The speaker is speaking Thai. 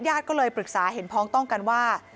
ญาติก็เลยปรึกษาเห็นพ้องต้องกันว่า